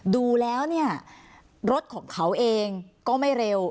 ดูแล้วเนี่ยรถของเขาเองก็ไม่เร็ว